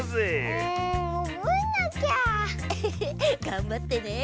がんばってね。